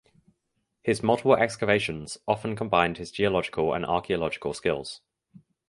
His multiple excavations often combined his geological and archaeological skills.